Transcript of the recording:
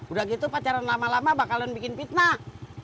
udah gitu pacaran lama lama bakalan bikin fitnah